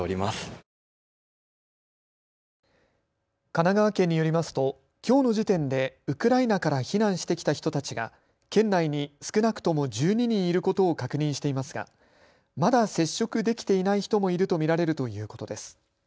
神奈川県によりますときょうの時点でウクライナから避難してきた人たちが県内に少なくとも１２人いることを確認していますがまだ接触できていない人もいると見られるということです。